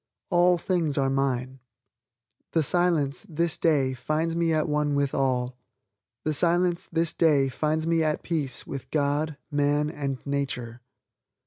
All things are mine. The Silence, this day, finds me at one with all. The Silence, this day, finds me at peace with God, Man and Nature.